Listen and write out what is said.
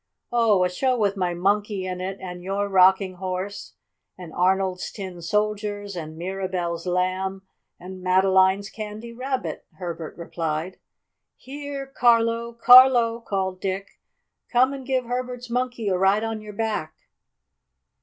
"Oh, a show with my Monkey in it, and your Rocking Horse, and Arnold's Tin Soldiers, and Mirabell's Lamb and Madeline's Candy Rabbit," Herbert replied. "Here, Carlo! Carlo!" called Dick. "Come and give Herbert's Monkey a ride on your back."